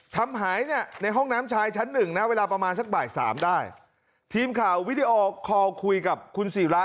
ทำหายเนี่ยในห้องน้ำชายชั้นหนึ่งนะเวลาประมาณสักบ่ายสามได้